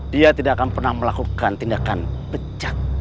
dia tidak akan pernah melakukan tindakan pecat